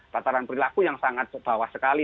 tataran perilaku yang sangat bawah sekali